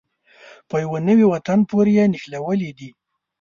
په يوه نوي وطن پورې یې نښلولې دي.